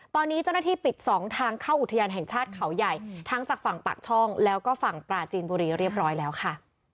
ตอนนี้เจ้าหน้าที่ปิดสองทางเข้าอุทยานแห่งชาติเขาใหญ่ทั้งจากฝั่งปากช่องแล้วก็ฝั่งปลาจีนบุรีเรียบร้อยแล้วค่ะ